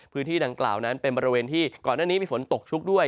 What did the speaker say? พื้นที่ดังกล่าวนั้นเป็นบริเวณที่ก่อนหน้านี้มีฝนตกชุกด้วย